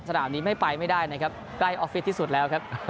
สนามนี้ไม่ได้ไปใกล้ออฟฟิรที่สุดแล้วครับ